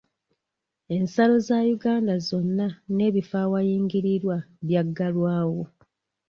Ensalo za Uganda zonna n'ebifo awayingirirwa bya ggalwawo.